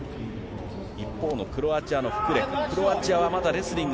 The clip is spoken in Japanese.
一方のクロアチアのフクレク。